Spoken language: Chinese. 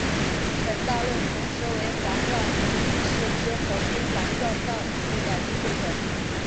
本道路同时为环绕横滨市之横滨环状道路的一部份。